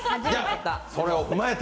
それを踏まえて。